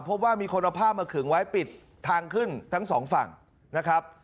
พบว่ามีคนเอาผ้ามาขึงไว้ปิดทางขึ้นทั้งสองฝั่งนะครับ